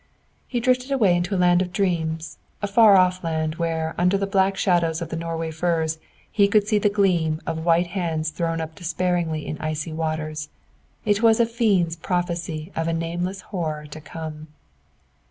He drifted away into a land of dreams, a far off land, where, under the black shadows of the Norway firs, he could see the gleam of white hands thrown up despairingly in the icy waters. It was a fiend's prophecy of a nameless horror to come.